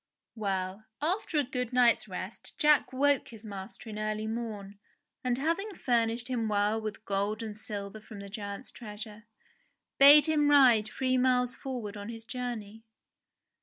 Well, after a good night's rest Jack woke his master in early morn, and having furnished him well with gold and silver from the giant's treasure, bade him ride three miles forward on his journey.